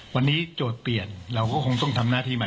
วันนี้โจทย์เปลี่ยนเราก็คงต้องทำหน้าที่มา